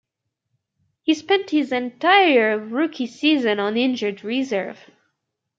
He spent his entire rookie season on injured reserve.